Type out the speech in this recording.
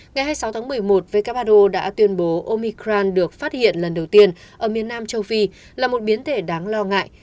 ngày hai mươi sáu tháng một mươi một who đã tuyên bố omicran được phát hiện lần đầu tiên ở miền nam châu phi là một biến thể đáng lo ngại